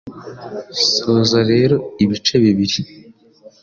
Soza rero ibice bibiri